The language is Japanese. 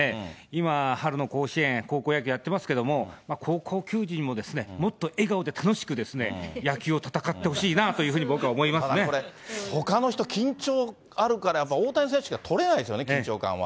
今、春の甲子園、高校野球やってますけれども、高校球児にももっと笑顔で楽しく野球を戦ってほしほかの人、緊張あるから、やっぱり大谷選手が取れないですよね、緊張感は。